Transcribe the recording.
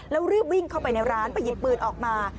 แล้วรีบวิ่งเข้าไปในร้านไปหยิบปืนออกมา